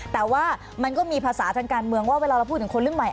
แต่ว่ามันก็มีภาษาทางการเมืองว่าเวลาเราพูดถึงคนรุ่นใหม่